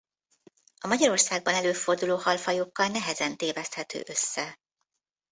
A Magyarországban előforduló halfajokkal nehezen téveszthető össze.